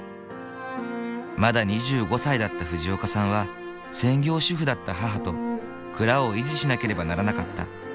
まだ２５歳だった藤岡さんは専業主婦だった母と蔵を維持しなければならなかった。